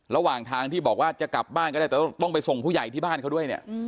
ระหว่างทางที่บอกว่าจะกลับบ้านก็ได้แต่ต้องไปส่งผู้ใหญ่ที่บ้านเขาด้วยเนี่ย